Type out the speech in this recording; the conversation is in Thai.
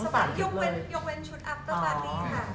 เราเก็บเป็นยกเป็นชุดอัพเตอร์ปาร์ตี้ค่ะ